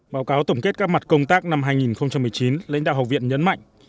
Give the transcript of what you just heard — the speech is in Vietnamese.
báo cáo tổng kết các mặt công tác năm hai nghìn một mươi chín lãnh đạo học viện nhấn mạnh